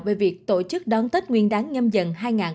về việc tổ chức đón tết nguyên đáng nhâm dần hai nghìn hai mươi bốn